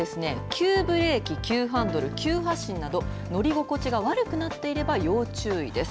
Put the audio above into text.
急ブレーキ急ハンドル急発進など乗り心地が悪くなっていれば要注意です。